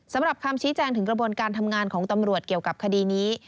สำหรับคำชี้แจงถึงกระบวนการทำงานของตำรวจเกี่ยวกับคดีนี้